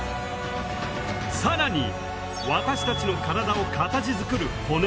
更に私たちの体を形づくる骨。